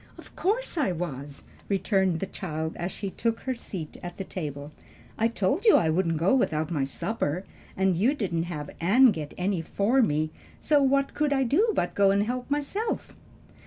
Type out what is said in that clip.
"Of course I was," returned the child as she took her seat at the table. "I told you I wouldn't go without my supper, and you didn't have Ann get any for me; so what could I do but go and help myself?"